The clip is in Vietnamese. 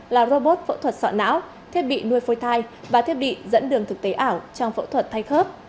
là robot phẫu thuật sọ não thiết bị nuôi phôi thai và thiết bị dẫn đường thực tế ảo trong phẫu thuật thay khớp